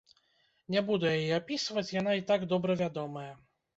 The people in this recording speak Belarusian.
Не буду яе апісваць, яна і так добра вядомая.